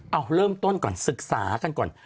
เอาเริ่มต้นก่อนศึกษากันก่อน